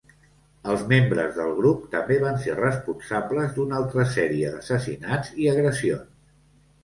Els membres del grup també van ser responsables d'una altra sèrie d'assassinats i agressions.